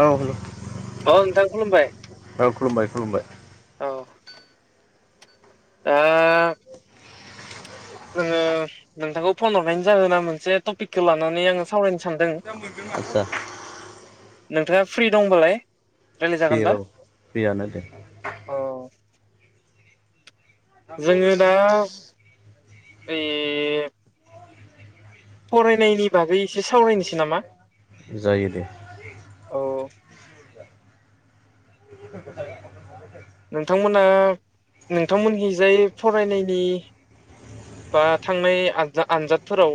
औ हेल' औ अ नोंथां खुलुमबाय खुलुमबाय खुलुमबाय। औ ओ जोङो नोंथांखौ फन हरानो जागोन ना मोनसे टपिकखौ लानानै आङो सावरायनो सानदों आदसा नोंथाङा फ्रि दंबालाय रायलाय फ्रि जागोनबा औ फ्रियानो दे। अ जोङो दा ओइ फरायनायनि बागै एसे सावरायनोसै नामा? जायो दे। औ [inaudible] नोंथांमोना नोंथांमोनहैजाय फरायनायनि बा थांनाय आनजा आनजादफोराव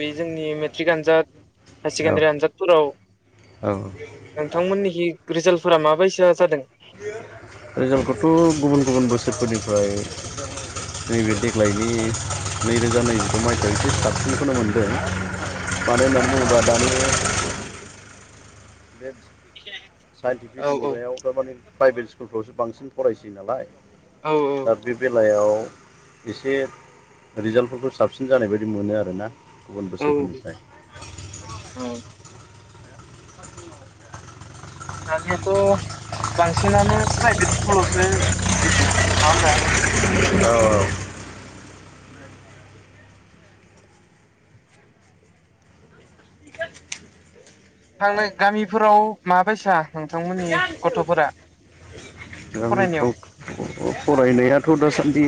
बे जोंनि मेट्रिक आनजाद हायार औ सेकेण्डारि आनजादफोराव औ नोंथांमोननिखि रिजाल्टफोरा माबायसा जादों? रिजाल्टखौथ' गुबुन गुबुन बोसोरफोरनिफ्राय नैबे देग्लायनि नैरोजा नैजिद' मायथाइयाव एसे साबसिनखौनो मोनदों। मानो होनना बुंबा दानि बे साइन्टिफिक औ औ मुगायाव माने प्राइभेट स्कुलफ्रावसो बांसिन फरायसै नालाय औ दा बे बेलायाव एसे रिजाल्टफोरखौ साबसिन जानाय बायदि मोनो आरोना। गुबुन औ बोसोरफोरनिफ्राय। औ दानियाथ' बांसिनानो प्राइभेट स्कुलावसो होयो नङा होमबा? औ थांनाय गामिफोराव माबायसा नोंथांमोननि गथ'फोरा? फरायनायाव गामिफ्राव फरायनायाथ' दासान्दि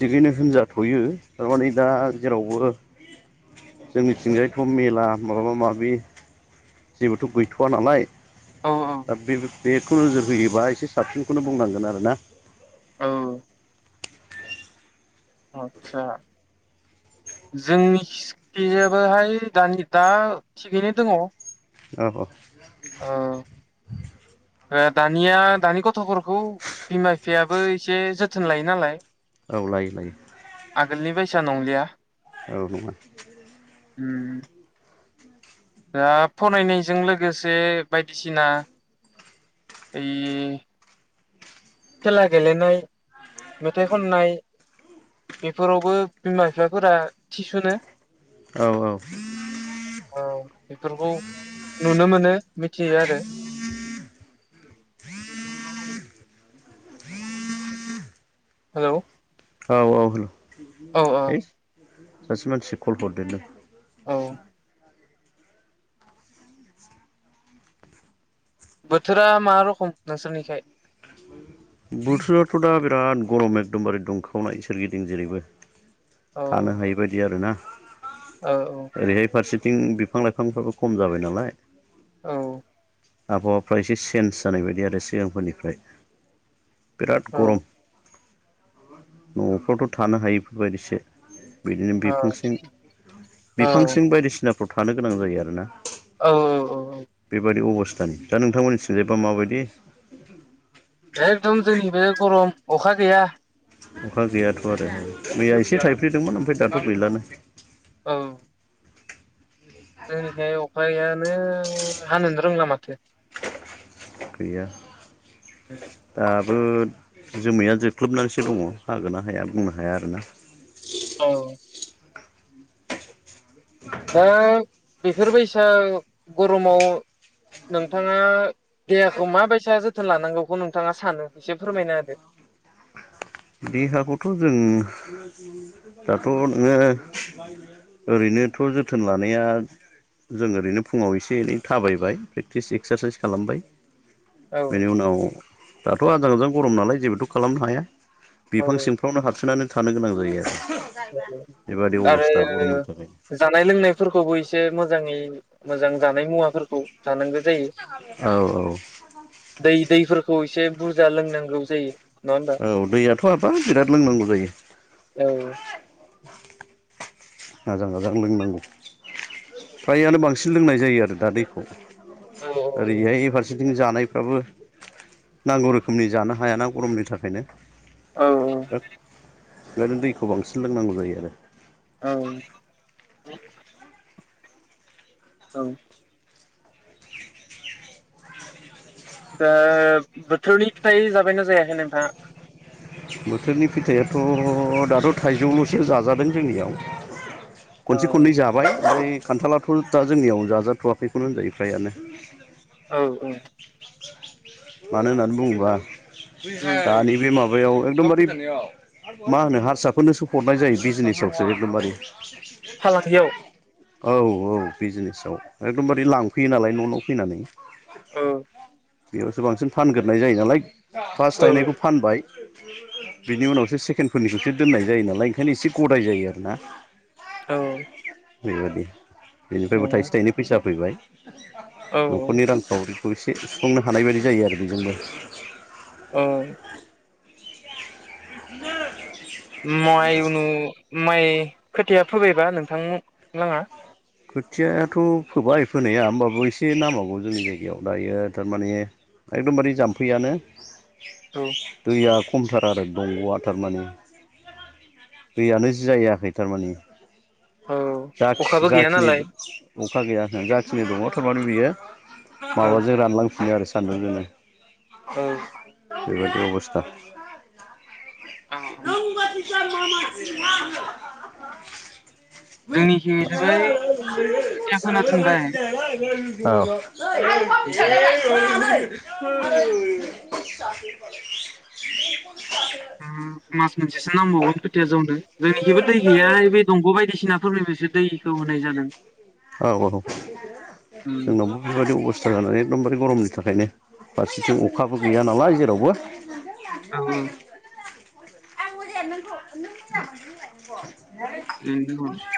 थिगैनो होनजाथ'यो थारमाने दा जेरावबो जोंनिथिंजायथ' मेला माबा माबि जेबोथ' गैथ'व नालाय। औ दा बे बेखौ नोजोर होयोबा एसे साबसिनखौनो बुंनांगोन आरोना। औ आतसा। जोंनि सिखायजोबोहाय दानि दा थिगैनो दङ। अ अ। औ दानिया दानि गथ'फोरखौ बिमा बिफायाबो एसे जोथोन लायो नालाय। औ लायो लायो। आगोलनि बायसा नंलिया। औ नङा। उम दा फरायनायजों लोगोसे बायदिसिना ओइ खेला गेलेनाय मेथाइ खननाय बेफोरावबो बिमा बिफाफोरा थिसुनो। औ औ। औ बेफोरखौ नुनो मोनो मिथियो आरो। हेलौ औ औ हेलौ औ सासे मानसिया कल हरदेरदों। औ बोथोरा मा रखम नोंसोरनिखाय? बोथोराथ' दा बिराद गरम एकदमबारे दुंखावनाय सोरगिदिं जेरैबो। थानो हायि बायदि आरोना। ओ औ ओरैहाय फारसेथिं बिफां लाइफांफ्राबो खम जाबाय नालाय औ आबहावाफ्रा एसे चेन्ज जानाय बादि आरो सिगांफोरनिफ्राय। बिराद औ गरम न'फ्रावथ' थानो हायिफोरबायदिसो। बिदिनो बिफांंसिं औ बिफांसिं बायदिसिनाफ्राव थानो गोनां जायो आरोना। औ औ। बेबादि अबस्थानि दा नोंथांमोननि सिनजायबा माबायदि? एकदम जोंनि बे ग'रम अखा गैया। अखा गैयाथ' आरो मैया एसे थाइफ्रेदोमोन ओमफाय दाथ' गैलानो। औ जोंनिखाय अखायानो हानोनो रोंला माथो। गैया दाबो जोमैया जोख्लोबनानसो दङ हागोन ना हाया बुंनो हाया आरोना। औ दा बेफोरबायसा गर'माव नोंथाङा देहाखौ माबायसा जोथोन लानांगौखौ नोंथाङा सानो एसे फोरमायना होदो। देहाखौथ' जों दाथ' नोङो ओरैनोथ' जोथोन लानाया जों ओरैनो फुङाव एसे एनै थाबायबाय प्रेक्टिस एक्सारसाइस खालामबाय औ बेनि उनाव दाथ' आजां गाजां गर'म नालाय जेबोथ' खालामनो हाया। औ बिफां सिंफ्रावनो हाबसोनानै थानो गोनां जायो आरो बेबादि आरो अबस्था गर'मनि थाखाय। जानाय लोंनायफोरखौबो इसे मोजाङै मोजां जानाय मुवाफोरखौ जानांगो औ औ। दै दैफोरखौ एसे बुरजा लोंनांगौ जायो। नङा होमबा औ दैयाथ' हाबा बिराद लोंनांगौ जायो। औ आजां गाजां लोंनांगौ फ्रायानो बांसिन लोंनाय जायो आरो दा दैखौ। औ ओरैहाय फार सेथिं जानायफ्राबो नांगौ रोखोमनि जानो हायाना गर'मनि थाखायनो। औ औ। ओ [inaudible] नो दैखौ बांसिन लोंनांगौ जायो आरो। औ औ दा बोथोरनि फिथाइ जाबायना जायाखै नोंथाङा? बोथोरनि पिथाइआथ' दाथ' थाइजौल'सो जाजादों जोंनियाव। औ खनसे खननै जाबाय ओमफ्राय खान्थालाथ' दा जोंनियाव जाजाथ'वाखैनो होनजायो फ्रायानो। औ ओ। मानो होननानै बुङोबा उम दानि बे माबायाव एकदमबारे मा होनो हारसाफोरनोसो हरनाय जायो बिजनेसावसो एखदमबारे फालांगियाव औ औ बिजनेसाव एकदमबारे लांफैयो नालाय न' न' फैनानै। ओ बेयावसो बांसिन फानगोरनाय जायो नालाय फार्स्ट औ थायनायखौ फानबाय। बिनि उनावसो सेकेण्डफोरनिखौसो दोननाय जायो नालाय ओंखायनो एसे गदाय जायो आरोना। औ। बेबादि औ बेनिफ्रायबो थाइसे थाइनै फैसा फैबाय औ न'खरनि रां खावरिखौ एसे सुफुंनो हानाय बायदि जायो आरो बेजोंबो। औ। [unintelligible] माइ उनु माइ खोथिया फोबायबा नोंथां मु लाङा? खोथियाथ' फोबाय फोनाया ओमबाबो एसे नांबावगौ जोंनि जायगायाव दायो थारमाने एकदमबारे जाम्फैयानो औ। दैया खमथार आरो दंग'आ थारमाने। दैयानो जि जारायाखै थारमाने औ जाख अखाबो गैया जाखिनि नालाय अखा गैया होन जाखिनि दङ थारमाने बियो औ माबाजों रानलांफिनो आरो सान्दुं जोंनो। औ। बेबायदि अबस्था। औ औ। जोंनिखि जोबाय खोथिया फोना [unintelligible] दोनबाय औ [unintelligible] [unintelligible] उम मास मोनसेसो नांबावगोन खोथिया जौनो जोंनिखिबो दै गैया इबायद दंग' बायदिसिनाफोरनि फायसो दैखौ होनाय जादों औ उम जोंनावबो बेबायदि अबस्था जानानै एकखदमबारे गरमनि थाखायनो फारसेथिं अखाबो गैया नालाय जेरावबो औ उम। [unintelligible] [unintelligible]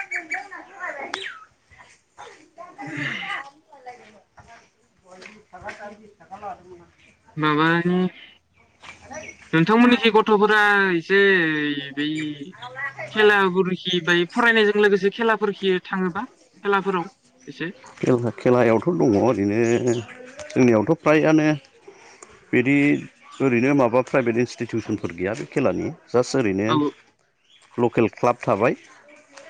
[inaudible] [unintelligible] माबानि नोंथांमोननिखि गथ थ'फोरा एसे बै खेलाफोरखि बाय फरायनायजों लोगोसे खेलाफोरखि थाङोबा खेलाफोराव एसे खेला खेलायावथ' दङ ओरैनो जोंनियावथ' प्रायानो बिदि ओरैनो माबा प्राइभेट इनस्टिटिउसनफोर गैया बे खेलानि। जास्ट ओरैनो औ लकेल क्लाब थाबाय।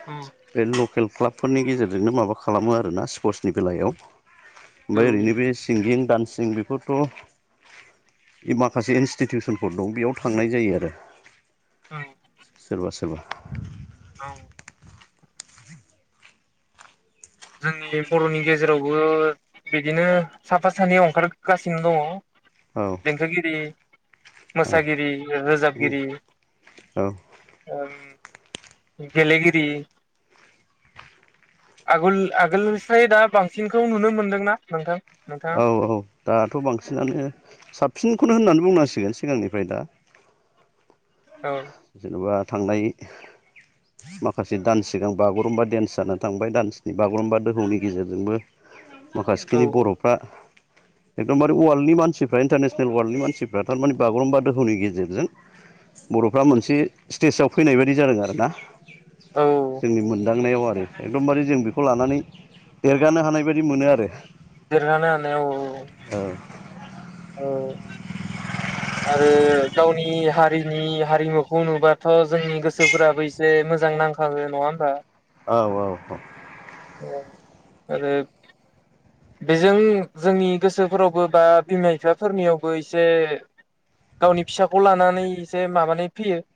उम। बे लकेल क्लाबफोरनि गेजेरजोंनो माबा खालामो आरो ना स्पर्टसनि बेलायाव ओमफाय ओरैनो बे सिंगिं दडान्सिं बेफ फथ' इमाखासे इनस्टिटिउसनफोर दं बेयाव थांनाय जायो आरो। औ सोरबा सोरबा औ। जोंनि जे बर'नि गेजेरावबो बिदिनो साफा सानै अंखारगासिनो दङ। औ। खन्थाइगिरि, औ मोसागिरि, रोजाबगिरि औ उम गेलेगिरि आगल आगोलनिस्राय दा बांसिनखौ नुनो मोनदोंना नोंथां? नोंथाङा औ औ दाथ' बांसिनानो साबसिनखौनो होननानै बुंनांसिगोन सिगांनिफ्राय दा औ जेन'बा थांनाय माखासे दान्स सिगां बागुरुम्बा डेन्स जानानै थांबाय दान्सनि बागुरुम्बा दोहौनि गेजेरजोंबो औ माखासेखिनि औ बर'फ्रा एकदमबारे वार्ल्डनि मानसिफ्रा इन्टारनेसनेल वार्ल्डनि मानसिफ्रा थारमानि बागुम्बा दोहौनि गेजेरजों बर'फ्रा मोनसे स्टेजाव फैनाय बायदि जादों आरोना। औ जोंनि मोनदांनायाव आरो एकदमबारे जों बेखौ लानानै देरगानो हानाय बायदि मोनो आरो। देरगानो हानायाव औ औ आरो गावनि हारिनि हारिमुखौ नुबाथ' जोंनि गोसोफोरा बै दे मोजां नांखागो नङा होमबा। औ औ औ अ आरो बेजों जोंनि गोसोफोरावबो बा बिमा बिफाफोरनियावबो एसे गावनि फिसाखौ लानानै एसे माबानानै फैयो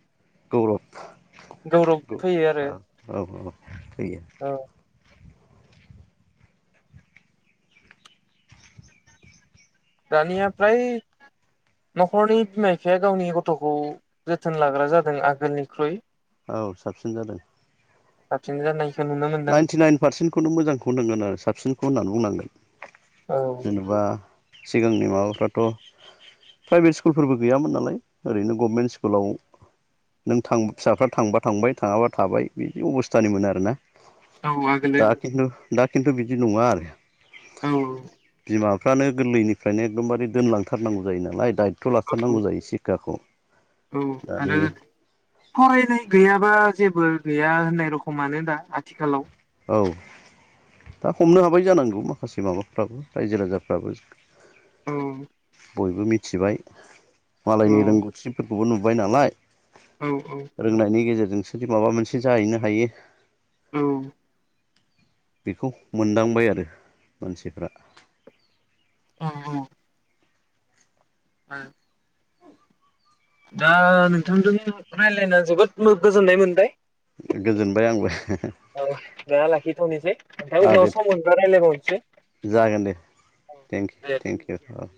गौरब गौरब औ फैयो आरो औ औ औ दानिया फ्राय न'खरनि बिमा बिफाया गावनि गथ'खौ जोथोन लाग्रा जादों आगोलनिख्रुइ औ साबसिन जादों। साबसिन जानाय नाइनटि नाइन पार्सेन्टखौनो मोजांखौ नांगोन आरो साबसिनखौ होननानै बुंनांगोन। औ जेनबा सिगांनि माबाफ्राथ' प्राइभेट स्कुलबो गैयामोन नालाय ओरैनो गभमेन्ट स्कुलाव नों थां फिसाफ्रा थांबा थांबाय थाङाबा थाबाय बिदि अबस्थानिमोन आरोना। औ आगोलो दा खिन्थु दा खिन्थु बिदि नङा आरो। औ औ बिमाफ्रानो गोरलैनिफ्रायनो एकदमबारे दोनलांथारनांगौ जायो नालाय दायथ' औ लाथारनांगौ जायो सिक्षाखौ। औ दानि आरो फरायनाय गैयाबा जेबो गैया होननाय रखमानो दा आथिखालाव। औ दा हमनो हाबाय जानांगौ माखासे माबाफ्राबो रायजो राजाफ्राबो। औ बयबो मिथिबाय औ मालायनि रोंगौथिफोरखौबो नुबाय नालाय औ औ रोंनायनि गेजेरजोंसोदि माबा मोनसे जाहैनो हायो। औ बेखौ मोनदांबाय आरो मानसिफ्रा औ औ [unintelligible] दा नोंथांजों रायलायना जोबोद गोजोननाय मोनबाय। गोजोनबाय आंबो औ दा लाखिथ'नोसै ओमफ्राय आरो दे उनाव सम मोनबा रायलायबावनोसै। जागोन दे थेंक थेंकिउ औ